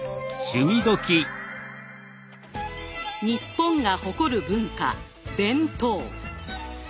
日本が誇る文化弁当。